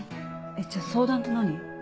えっじゃあ相談って何？